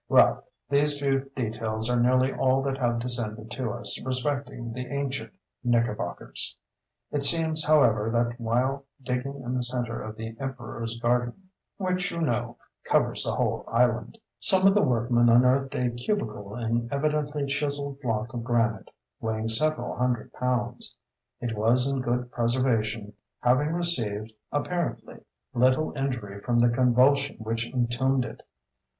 Well, these few details are nearly all that have descended to us respecting the ancient Knickerbockers. It seems, however, that while digging in the centre of the emperors garden, (which, you know, covers the whole island), some of the workmen unearthed a cubical and evidently chiseled block of granite, weighing several hundred pounds. It was in good preservation, having received, apparently, little injury from the convulsion which entombed it.